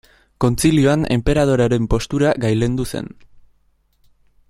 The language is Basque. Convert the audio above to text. Kontzilioan enperadorearen postura gailendu zen.